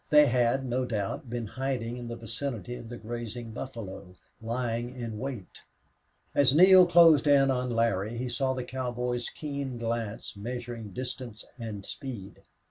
They had, no doubt, been hiding in the vicinity of the grazing buffalo, lying in wait. As Neale closed in on Larry he saw the cowboy's keen glance measuring distance and speed.